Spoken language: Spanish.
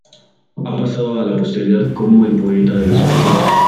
Ha pasado a la posteridad como el poeta de los banquetes.